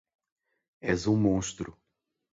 És um monstro